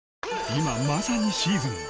今まさにシーズン！